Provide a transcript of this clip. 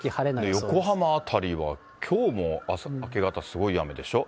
横浜辺りは、きょうも明け方、すごい雨でしょ。